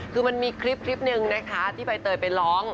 คือมันมีคลิปหนึ่งนะคะที่ใบเตยไปร้อง